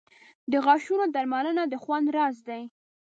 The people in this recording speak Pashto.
• د غاښونو درملنه د خوند راز دی.